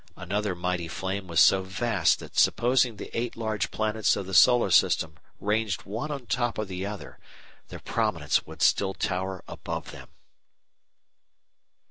Another mighty flame was so vast that supposing the eight large planets of the solar system ranged one on top of the other, the prominence would still tower above them.